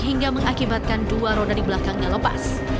hingga mengakibatkan dua roda di belakangnya lepas